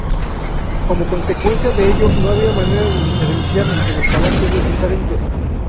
Como consecuencia de ello no había manera de diferenciar entre los caracteres diferentes.